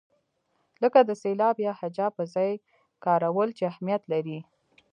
لکه د سېلاب یا هجا پر ځای کارول چې اهمیت لري.